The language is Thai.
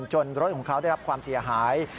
รถของเขาได้รับความเสียหาย